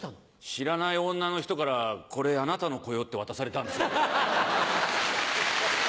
知らない女の人から「これあなたの子よ」って渡されたんです。